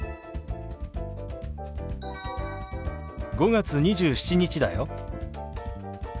５月２７日だよ。